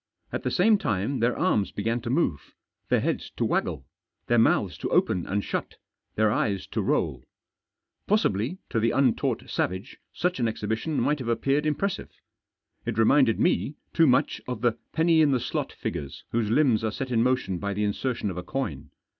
At the same time their arms began to move, their heads to waggle, their mouths to open and shut, their eyes to roll. Possibly, to the untaught savage, such an exhibition might have appeared impressive. It reminded me too much of the penny in the slot figures whose limbs are set in motion by the insertion of a coin.